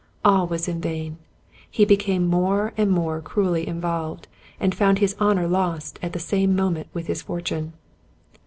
All was in vain; he became more and more cruelly involved, and found his .honor lost at the same mo ment with his fortune.